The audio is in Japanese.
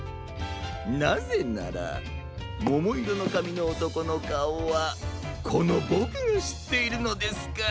なぜならももいろのかみのおとこのかおはこのボクがしっているのですから。